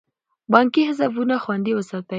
بانکي حسابونه خوندي وساتئ.